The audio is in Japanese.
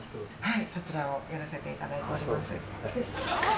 そちらをやらせていただいてます。